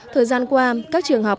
thời gian qua các trường học